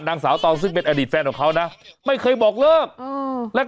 นางสาวตองซึ่งเป็นอดีตแฟนของเขานะไม่เคยบอกเลิกและ